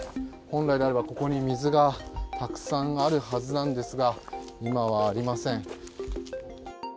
本来であればここに水がたくさんあるはずですが今はありません。